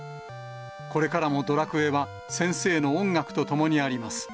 これからもドラクエは先生の音楽とともにあります。